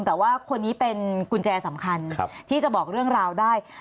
แต่ว่าคนนี้เป็นกุญแจสำคัญที่จะบอกเรื่องราวได้